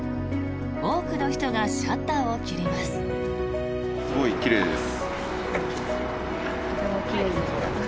多くの人がシャッターを切ります。